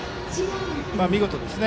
見事ですね。